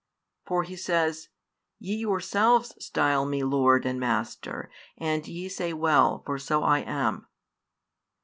For He says: Ye yourselves style Me Lord, and Master; and ye say well, for so I am.